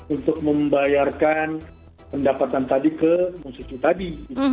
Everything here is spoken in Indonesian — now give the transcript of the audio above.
untuk membayarkan pendapatan tadi ke musisi tadi